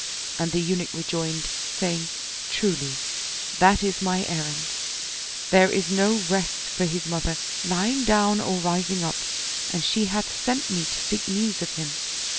And the Eunuch rejoined, saying, " Truly, that is my errand : there is no rest for his mother, lying down or rising up, and she hath sent me to seek news of him."